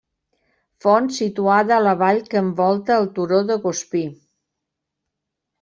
Font situada a la vall que envolta el turó de Gospí.